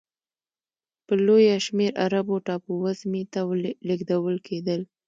په لویه شمېر عربي ټاپو وزمې ته لېږدول کېدل.